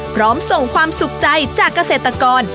พร้อมส่งความสุขใจจากเกษตรกร